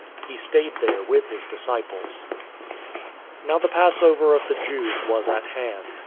He stayed there with his disciples. 011:055 Now the Passover of the Jews was at hand.